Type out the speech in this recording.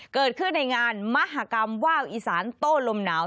เกิดขึ้นในงานมหากรรมว่าวอีสานโต้ลมหนาว